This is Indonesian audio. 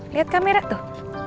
lihat kamera tuh